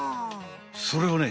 それはね